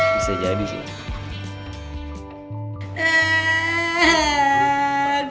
bisa jadi sih